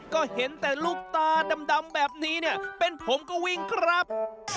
ก็เห็นแต่ลูกตาดำแบบนี้เนี่ยเป็นผมก็วิ่งครับ